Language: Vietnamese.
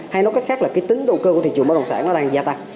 hay nói cách khác là tính đầu cơ của thị trường bất đồng sản đang gia tăng